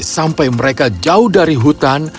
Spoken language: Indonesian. sampai mereka jauh dari hutan